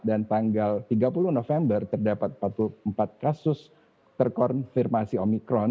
dan tanggal tiga puluh november terdapat empat puluh empat kasus terkonfirmasi omikron